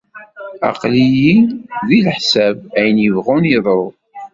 Aql-i deg leḥṣan, ayen yebɣun yeḍru.